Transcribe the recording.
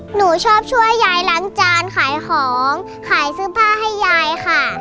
หนูชอบช่วยยายล้างจานขายของขายเสื้อผ้าให้ยายค่ะ